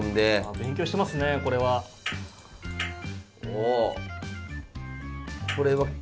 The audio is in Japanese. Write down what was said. おこれは。